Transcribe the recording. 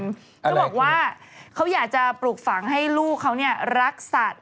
เขาบอกว่าเขาอยากจะปลูกฝังให้ลูกเขารักสัตว์